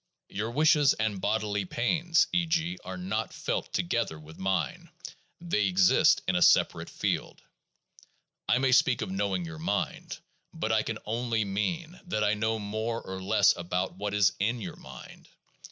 Your wishes and bodily pains, e. g., are not felt together with mine; they exist in a separate field. I may speak of knowing your mind, but I can only mean that I know more or less about what is in your mind.